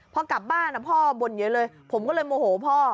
พอกลับบ้านพ่อบ่นเยอะเลยผมก็เลยโมโหพ่อ